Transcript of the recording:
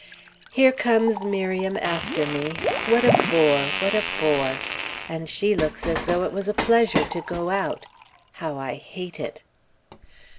Here comes Miriam after me! What a bore! What a bore! And she looks as though it was a pleasure to go out! How I hate it!